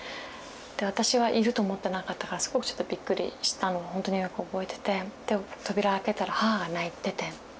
私はいると思ってなかったからすごくびっくりしたのをほんとによく覚えててで扉開けたら母が泣いてて。